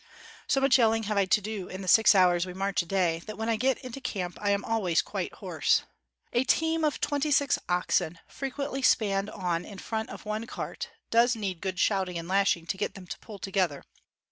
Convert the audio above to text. So much yelling have I to do in the six hours we march a day, that when I get into camp I am always quite hoarse. A team of twenty six oxen, fre quently spanned on in front of one cart, does need good shouting and lashing to get them to pull together.